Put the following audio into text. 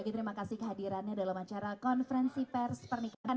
oke terima kasih kehadirannya dalam acara konferensi pers pernikahan